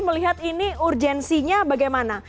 melihat ini urgensinya bagaimana